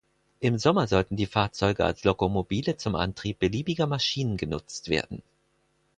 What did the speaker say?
Im Sommer sollten die Fahrzeuge als Lokomobile zum Antrieb beliebiger Maschinen genutzt werden.